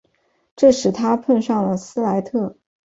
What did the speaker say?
这使他碰遇上了斯莱特。